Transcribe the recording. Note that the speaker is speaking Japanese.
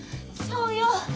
そうよ！